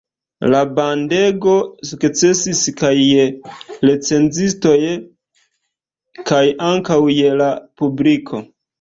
La bandego sukcesis kaj je recenzistoj kaj ankaŭ je la publiko.